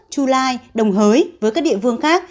chu lai đồng hới với các địa phương khác